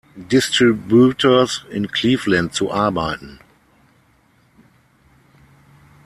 Distributors in Cleveland zu arbeiten.